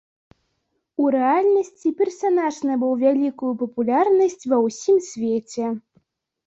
У рэальнасці персанаж набыў вялікую папулярнасць ва ўсім свеце.